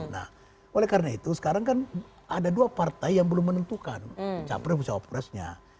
nah oleh karena itu sekarang kan ada dua partai yang belum menentukan capres dan cawapresnya